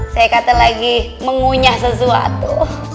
saya kata lagi mengunyah sesuatu